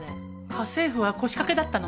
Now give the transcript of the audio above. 家政夫は腰かけだったの？